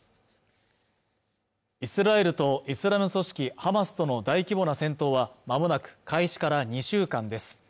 イスラエルとイスラム組織ハマスとの大規模な戦闘は間もなく開始から２週間です